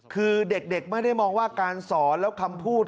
คือเด็กไม่ได้มองว่าการสอนแล้วคำพูด